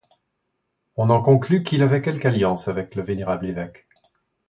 On en conclut qu'il avait quelque alliance avec le vénérable évêque.